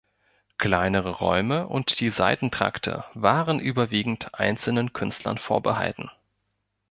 Kleinere Räume und die Seitentrakte waren überwiegend einzelnen Künstlern vorbehalten.